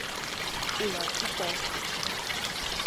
Улар икәү.